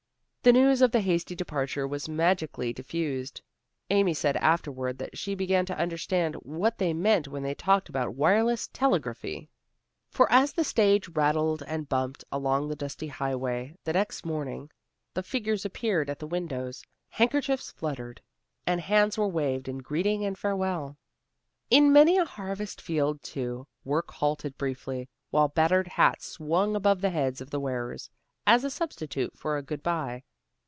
The news of the hasty departure was magically diffused. Amy said afterward that she began to understand what they meant when they talked about wireless telegraphy. For as the stage rattled and bumped along the dusty highway the next morning, figures appeared at the windows, handkerchiefs fluttered, and hands were waved in greeting and farewell. In many a harvest field, too, work halted briefly, while battered hats swung above the heads of the wearers, as a substitute for a good by.